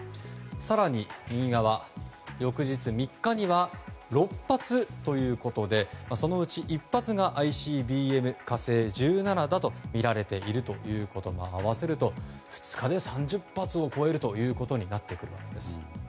更に、翌日３日には６発ということでそのうち１発がＩＣＢＭ「火星１７」だとみられているということも合わせると２日で３０発を超えることになってくるわけです。